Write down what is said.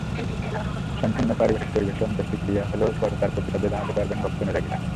সম্পূর্ণ পারিবারিক পরিবেশে অন্ত্যেষ্টিক্রিয়া হলেও পরে তাঁর প্রতি শ্রদ্ধা জানাতে পারবেন ভক্ত-অনুরাগীরা।